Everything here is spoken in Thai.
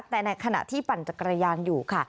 แต่ในขณะที่ปั่นจักรยานอยู่ค่ะ